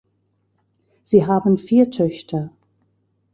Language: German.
Sie haben vier Töchter.